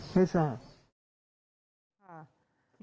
ชะลอกตัวอย่างไรไม่ทราบ